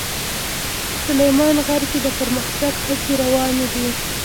سلیمان غر کې د پرمختګ هڅې روانې دي.